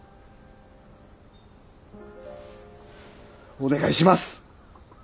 お願いします！